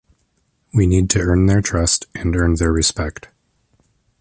We need to earn their trust and earn their respect.